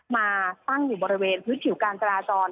มาตั้งอยู่บริเวณพื้นผิวการจราจร